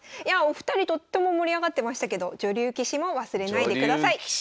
いやお二人とっても盛り上がってましたけど女流棋士も忘れないでください。